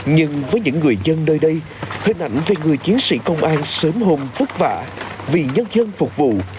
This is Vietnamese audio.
nhưng với những người dân nơi đây hình ảnh về người chiến sĩ công an sớm hôm vất vả vì nhân dân phục vụ